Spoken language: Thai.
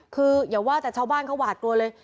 คืออย่าว่าแต่ชาวบ้านเขาหวาดกลัวเลย